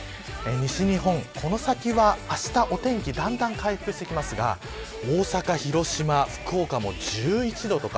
西日本、この先はあしたからお天気がだんだん回復してきますが大阪、広島、福岡も１１度とか。